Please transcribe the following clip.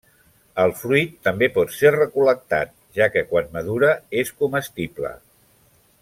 El fruit també pot ser recol·lectat, ja que quan madura és comestible.